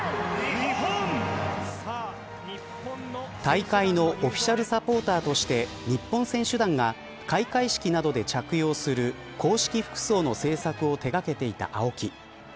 大会のオフィシャルサポーターとして日本選手団が開会式などで着用する公式服装の製作を手掛けていたＡＯＫＩ。